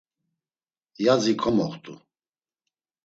Yazi komoxt̆u.